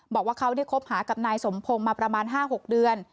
บอกว่าเขาได้คบหากับนายสมพงศ์มาประมาณ๕๖เดือน